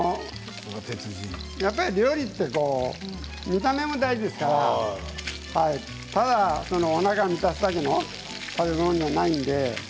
やっぱり料理って見た目も大事ですからただ、おなかを満たすだけの食べ物じゃないんで。